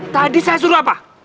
tadi saya suruh apa